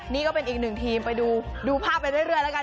นี่ก็เป็นอีกหนึ่งทีมไปดูภาพไปเรื่อยแล้วกัน